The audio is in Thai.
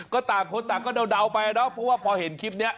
ก็ต่างคนต่างก็เดาไปเนอะเพราะว่าพอเห็นคลิปนี้